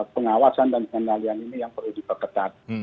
pengawasan dan kendalian ini yang perlu dipeketat